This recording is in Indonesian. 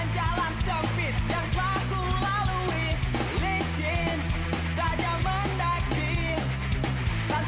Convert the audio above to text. jatuhlah kuarungi hidup ini